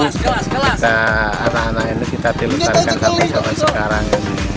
kita anak anak ini kita dilestarikan sampai zaman sekarang